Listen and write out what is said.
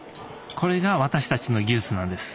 これが私たちの技術なんです。